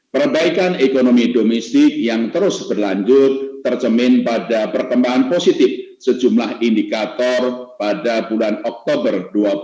perbaikan ekonomi domestik yang terus berlanjut tercemin pada perkembangan positif sejumlah indikator pada bulan oktober dua ribu dua puluh